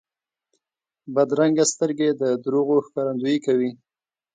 بدرنګه سترګې د دروغو ښکارندویي کوي